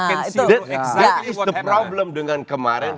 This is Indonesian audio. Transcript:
itu masalahnya dengan kemarin